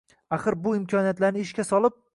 Axir, bu imkoniyatlarni ishga solib